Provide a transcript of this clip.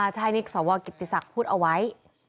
ใช่นี่สวกิติศักดิ์พูดเอาไว้